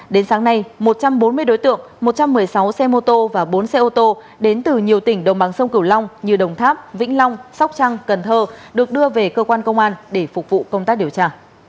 đến sáng nay một trăm bốn mươi đối tượng một trăm một mươi sáu xe mô tô và bốn xe ô tô đến từ nhiều tỉnh đồng bằng sông cửu long như đồng tháp vĩnh long sóc trăng cần thơ được đưa về cơ quan công an để phục vụ công tác điều tra